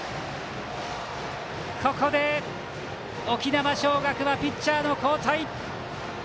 ここで沖縄尚学はピッチャーの交代。